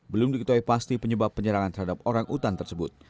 belum diketahui pasti penyebab penyerangan terhadap orangutan tersebut